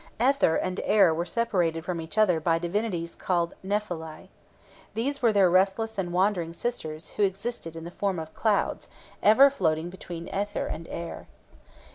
Aether and Aër were separated from each other by divinities called Nephelae. These were their restless and wandering sisters, who existed in the form of clouds, ever floating between Aether and Aër.